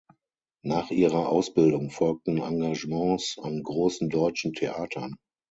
Nach ihrer Ausbildung folgten Engagements an großen deutschen Theatern.